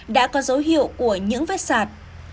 đã có dấu hiệu của những vấn đề của gia đình anh nguyễn văn kế